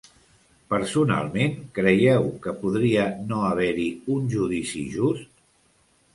Personalment creieu que podria no haver-hi un judici just?